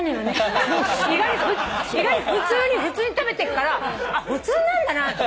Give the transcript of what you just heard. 意外に普通に普通に食べてるから普通なんだなと。